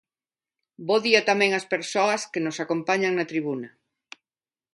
Bo día tamén ás persoas que nos acompañan na tribuna.